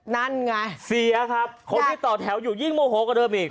นั่นไงเสียครับคนที่ต่อแถวอยู่ยิ่งโมโหกว่าเดิมอีก